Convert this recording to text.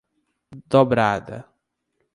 Dobrada